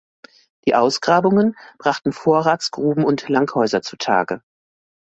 Die Ausgrabungen brachten Vorratsgruben und Langhäuser zutage.